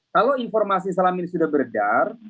kalau informasi selama ini sudah beredar